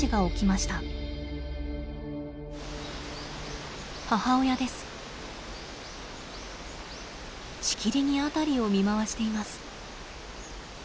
しきりに辺りを見回しています。